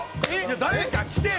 誰か来てる！